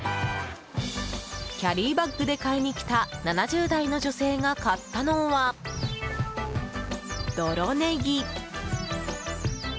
キャリーバッグで買いに来た７０代の女性が買ったのは泥ネギ。